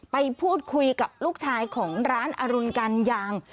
ไปพูดคุยกับลูกชายของร้านอรุณกันยาง